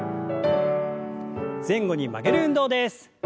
前後に曲げる運動です。